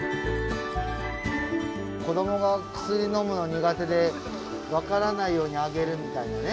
子どもが薬のむの苦手で分からないようにあげるみたいなね。